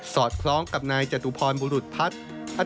อดคล้องกับนายจตุพรบุรุษพัฒน์